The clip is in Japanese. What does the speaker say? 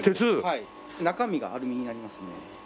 中身がアルミになりますね。